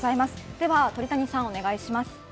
では鳥谷さん、お願いします。